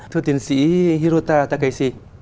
thưa tiến sĩ hirota takeshi